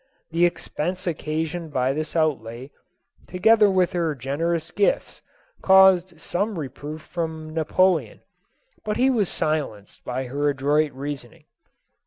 The expense occasioned by this outlay, together with her generous gifts, caused some reproof from Napoleon, but he was silenced by her adroit reasoning.